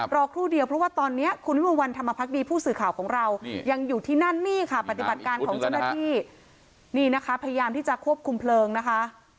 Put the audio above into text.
ครู่เดียวเพราะว่าตอนนี้คุณวิมวลวันธรรมพักดีผู้สื่อข่าวของเรายังอยู่ที่นั่นนี่ค่ะปฏิบัติการของเจ้าหน้าที่นี่นะคะพยายามที่จะควบคุมเพลิงนะคะ